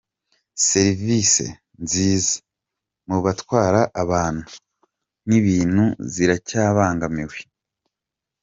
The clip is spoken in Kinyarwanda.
Serivise nziza mu batwara abantu n’ibintu ziracyabangamiwe